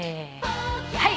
はい。